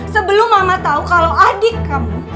sebelum mama tahu kalau adik kamu